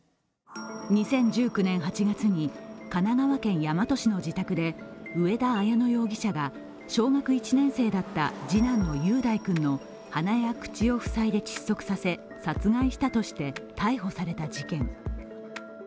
２０１９年８月に神奈川県大和市の自宅で上田綾乃容疑者が小学１年生だった次男の雄大君の鼻や口を塞いで窒息させ殺害したとして逮捕された事件。